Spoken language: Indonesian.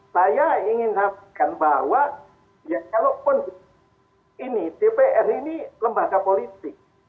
saya ingin sampaikan bahwa ya kalaupun ini dpr ini lembaga politik